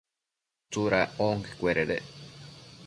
¿tsuda onquecuededec?